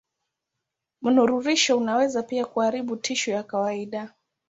Mnururisho unaweza pia kuharibu tishu ya kawaida.